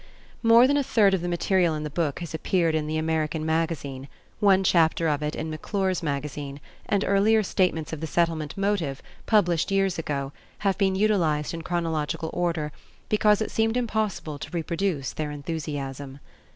More than a third of the material in the book has appeared in The American Magazine, one chapter of it in McClure's Magazine, and earlier statements of the Settlement motive, published years ago, have been utilized in chronological order because it seemed impossible to reproduce their enthusiasm.